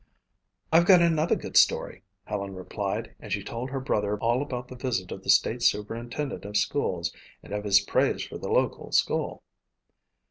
"I've got another good story," Helen replied, and she told her brother all about the visit of the state superintendent of schools and of his praise for the local school.